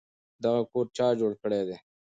دغه کور چا جوړ کړی دی؟